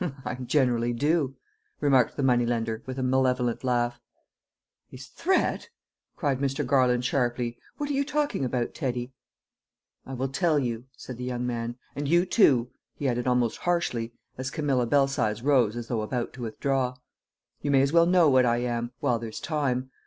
"I generally do," remarked the money lender, with a malevolent laugh. "His threat!" cried Mr. Garland sharply. "What are you talking about, Teddy?" "I will tell you," said the young man. "And you, too!" he added almost harshly, as Camilla Belsize rose as though about to withdraw. "You may as well know what I am while there's time.